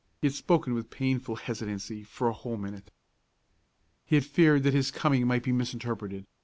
He had spoken with painful hesitancy for a whole minute. He had feared that his coming might be misinterpreted.